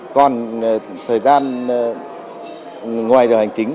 còn thời gian ngoài giờ hành chính